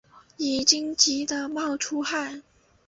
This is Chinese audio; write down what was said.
已经急的冒出汗